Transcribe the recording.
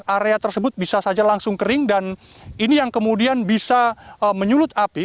area tersebut bisa saja langsung kering dan ini yang kemudian bisa menyulut api